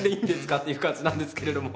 っていう感じなんですけれども。